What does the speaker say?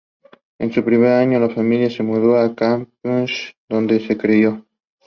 Tovar did so.